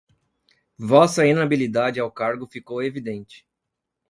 Vossa inabilidade ao cargo ficou evidente